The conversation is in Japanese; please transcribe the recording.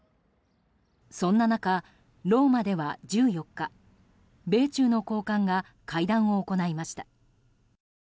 そんな中、ローマでは１４日米中の高官が会談を行いました。